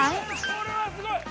これはすごい！